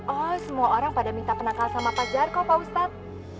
oh semua orang pada minta penakal sama pak jarko pak ustadz